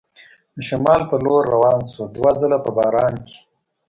د شمال په لور روان شو، دوه ځله په باران کې.